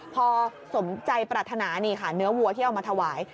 พอสมใจปรารถนานี่ค่ะเนื้อวัวที่เอามาถวาย